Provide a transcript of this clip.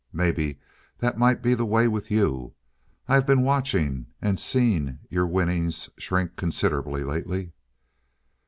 Maybe that might be the way with you. I been watching and seen your winnings shrink considerable lately."